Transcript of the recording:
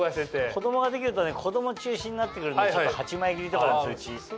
子供ができるとね子供中心になってくるんで８枚切りとかですうち。